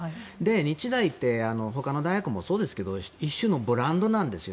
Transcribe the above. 日大ってほかの大学もそうですが一種のブランドなんですよ。